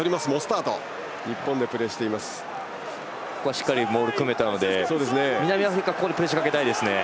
しっかりモール組めたので南アフリカはプレッシャーをかけたいですね